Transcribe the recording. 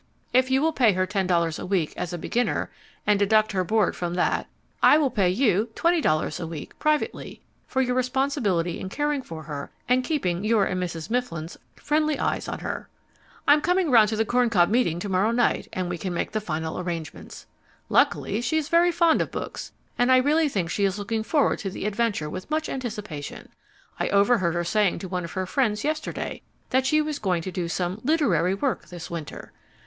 If you will pay her ten dollars a week as a beginner, and deduct her board from that, I will pay you twenty dollars a week, privately, for your responsibility in caring for her and keeping your and Mrs. Mifflin's friendly eyes on her. I'm coming round to the Corn Cob meeting to morrow night, and we can make the final arrangements. Luckily, she is very fond of books, and I really think she is looking forward to the adventure with much anticipation. I overheard her saying to one of her friends yesterday that she was going to do some "literary work" this winter.